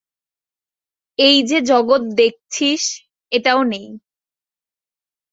এই যে জগৎ দেখছিস, এটাও নেই।